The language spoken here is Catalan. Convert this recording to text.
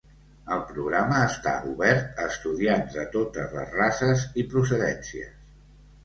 El programa està obert a estudiants de totes les races i procedències.